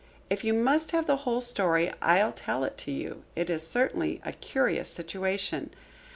"If you must have the whole story, I'll tell it to you. It is certainly a curious situation.